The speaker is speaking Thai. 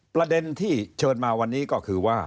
ประเด็นที่เชิญมาวันนี้ก็คือว่า